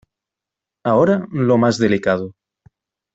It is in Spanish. Ahora, lo más delicado.